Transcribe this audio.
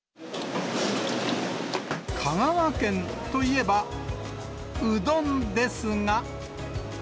香川県といえば、うどんですが。